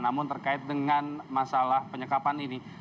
namun terkait dengan masalah penyekapan ini